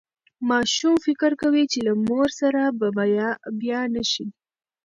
ماشوم فکر کوي چې له مور سره به بیا نه شي.